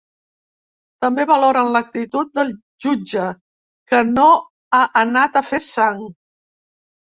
També valoren l’actitud del jutge, que ‘no ha anat a fer sang’.